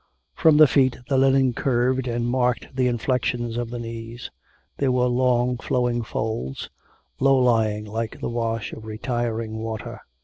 From the feet the linen curved and marked the inflections of the knees; there were long flowing folds, low lying like the wash of retiring water.